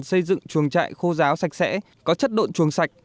xây dựng chuồng trại khô giáo sạch sẽ có chất độn chuồng sạch